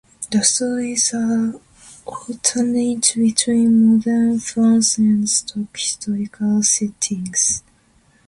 The stories alternate between modern France and stock historical settings.